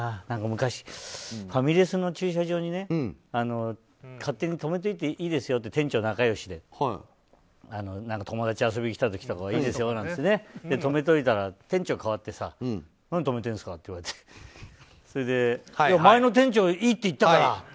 昔、ファミレスの駐車場にね勝手に止めていっていいですよって店長が仲良しで友達遊びに来た時とかいいですよなんて言って止めておいたら店長が代わってさ何止めてんですかって言われて前の店長がいいって言ったからって。